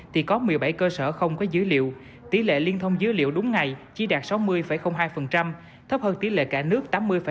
thì có một mươi bảy cơ sở không có dữ liệu tỷ lệ liên thông dữ liệu đúng ngày chỉ đạt sáu mươi hai thấp hơn tỷ lệ cả nước tám mươi bảy